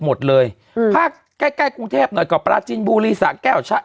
หมดเลยอืมภาคใกล้ใกล้กรุงเทพหน่อยก็ปราจินบุรีสะแก้วชะ